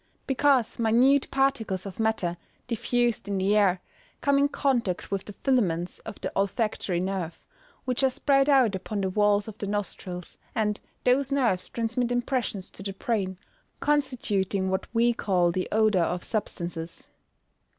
_ Because minute particles of matter, diffused in the air, come in contact with the filaments of the olfactory nerve, which are spread out upon the walls of the nostrils, and those nerves transmit impressions to the brain, constituting what we call the odour of substances.